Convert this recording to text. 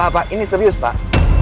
pak ini serius pak